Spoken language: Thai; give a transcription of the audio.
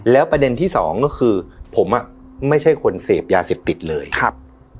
แล้วประเด็นที่สองก็คือผมอ่ะไม่ใช่คนเสพยาเสพติดเลยครับ